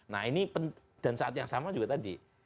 nah ini dan saat yang sama juga tadi